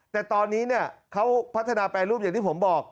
แต่ตอนนี้เขาพัฒนาแปรรูปอย่างที่ผมบอก